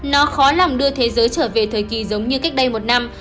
nó khó lòng đưa thế giới trở về thời kỳ giống như cách đây một năm